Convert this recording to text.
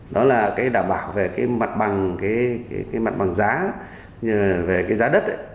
đó là đảm bảo về mặt bằng giá về giá đất